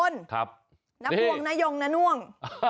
น้าภวงน้ายวงน้าน่วง